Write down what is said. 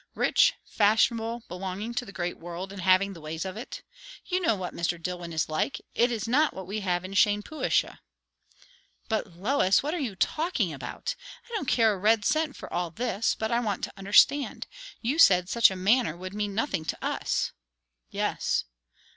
"Rich fashionable belonging to the great world, and having the ways of it. You know what Mr. Dillwyn is like. It is not what we have in Shainpuashuh." "But, Lois! what are you talking about? I don't care a red cent for all this, but I want to understand. You said such a manner would mean nothing to us." "Yes."